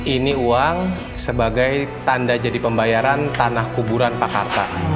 ini uang sebagai tanda jadi pembayaran tanah kuburan pakarta